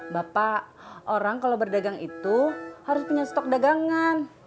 bapak orang kalau berdagang itu harus punya stok dagangan